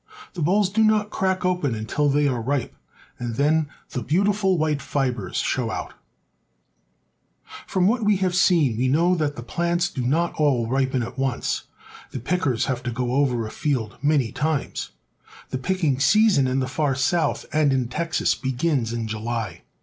The bolls do not crack open until they are ripe, and then the beautiful white fibers show out. =^ Cotton Bales Ready for Shipping. BALING COTTON. II3 From what we have seen we know that the plants do not all ripen at once. The pickers have to go over a field many times. The picking season in the far South and in Texas begins in July.